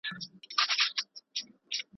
د کنړ غرغړې اورم ننګرهار په سترګو وینم